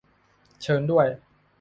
- เชิญด้วย